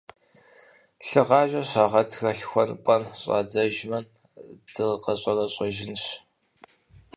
Лъыгъажэр щагъэтрэ лъхуэн-пӀэн щӀадзэжмэ, дыкъэщӀэрэщӀэжынщ.